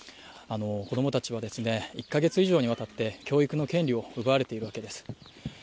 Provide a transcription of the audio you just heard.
子供達はですね、１ヶ月以上にわたって教育の権利を奪われているわけです。